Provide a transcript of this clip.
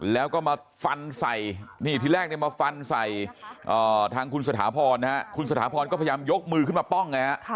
แล้วก็มาฟันใส่นี่ทีแรกมาฟันใส่ทางคุณสถาพรนะฮะคุณสถาพรก็พยายามยกมือขึ้นมาป้องไงฮะ